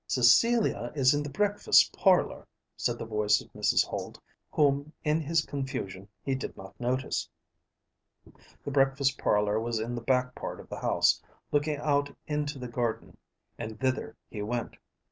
"Cecilia is in the breakfast parlour," said the voice of Mrs. Holt, whom in his confusion he did not notice. The breakfast parlour was in the back part of the house, looking out into the garden, and thither he went.